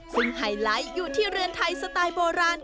ซึ่งไฮไลท์อยู่ที่เรือนไทยสไตล์โบราณ